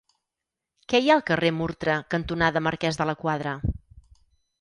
Què hi ha al carrer Murtra cantonada Marquès de la Quadra?